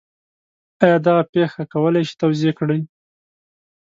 آیا دغه پېښه کولی شئ توضیح کړئ؟